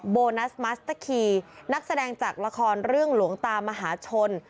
โบนัสมัสตะคีย์นักแสดงจากละครเรื่องหลวงตามหาชน